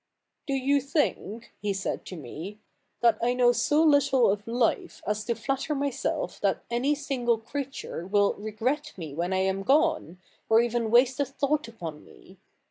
" Do you think," he said to me, " that I know so Httle of Hfe as to flatter myself that any single creature will regret me when I am gone, or even waste a thought upon me?